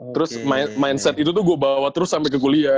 terus mindset itu tuh gue bawa terus sampai ke kuliah